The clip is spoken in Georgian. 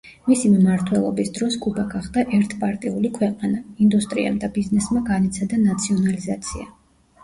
მისი მმართველობის დროს კუბა გახდა ერთპარტიული ქვეყანა, ინდუსტრიამ და ბიზნესმა განიცადა ნაციონალიზაცია.